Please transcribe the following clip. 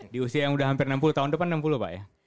di usia yang sudah hampir enam puluh tahun depan enam puluh pak ya